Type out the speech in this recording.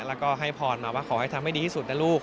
แล้วก็ให้พรมาว่าขอให้ทำให้ดีที่สุดนะลูก